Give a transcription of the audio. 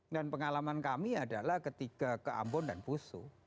dan pengalaman kami adalah ketika ke ambon dan busu